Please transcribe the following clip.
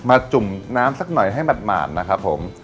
จุ่มน้ำสักหน่อยให้หมาดนะครับผม